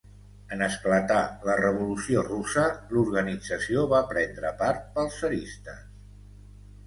En esclatar la Revolució Russa, l'organització va prendre part pels tsaristes.